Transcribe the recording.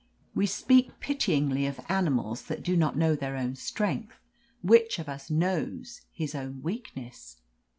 We speak pityingly of animals that do not know their own strength. Which of us knows his own weakness?